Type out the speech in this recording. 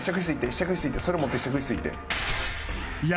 試着室行ってそれ持って試着室行って。